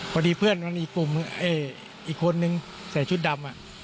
พอดีเพื่อนมันอีกคนนึงใส่ชุดดำ